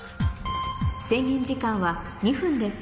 制限時間は２分です